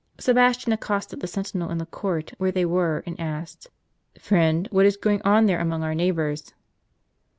Sebastian accosted the sentinel in the court where they were, and asked :" Friend, what is going on there among our neighbors?